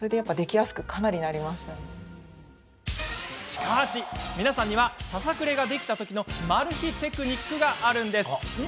しかし、皆さんにはささくれができた時のマル秘テクニックがあるんです。